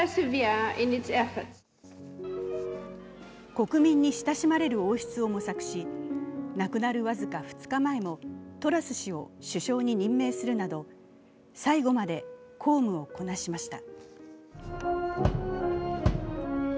国民に親しまれる王室を模索し亡くなる僅か２日前もトラス氏を首相に任命するなど最後まで公務をこなしました。